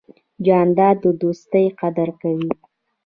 جانداد د دوستۍ قدر کوي.